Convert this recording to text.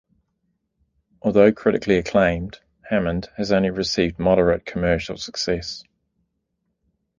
Although critically acclaimed, Hammond has received only moderate commercial success.